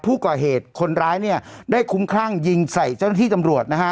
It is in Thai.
ผู้ก่อเหตุคนร้ายนี่ได้ฮุ้มคลั่งยิงสิะไชต้นที่ตำรวจนะฮะ